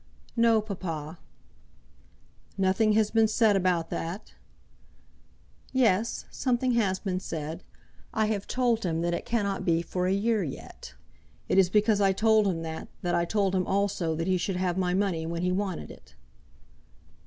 "No, papa." "Nothing has been said about that?" "Yes; something has been said. I have told him that it cannot be for a year yet. It is because I told him that, that I told him also that he should have my money when he wanted it."